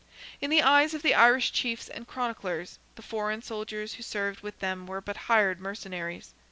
In the eyes of the Irish chiefs and chroniclers, the foreign soldiers who served with them were but hired mercenaries.